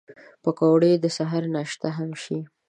پکورې د سهر ناشته هم شي